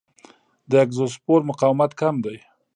د اګزوسپور مقاومت کم دی.